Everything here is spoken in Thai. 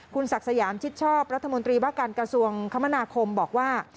คุณศักดิ์สยามชิดชอบรัฐมนตรีว่าการกระทรวงคมนาคมบอกว่า